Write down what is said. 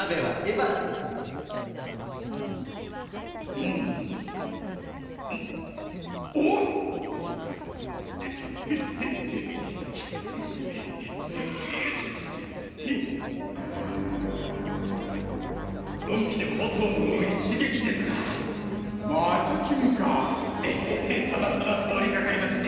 エヘヘたまたま通りかかりまして。